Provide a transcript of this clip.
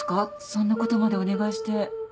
そんなことまでお願いして。